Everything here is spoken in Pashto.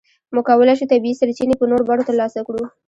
موږ کولای شو طبیعي سرچینې په نورو بڼو ترلاسه کړو.